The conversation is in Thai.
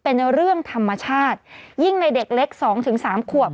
เป็นเรื่องธรรมชาติยิ่งในเด็กเล็ก๒๓ขวบ